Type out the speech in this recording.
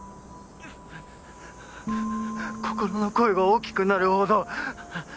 心の声が大きくなるほど。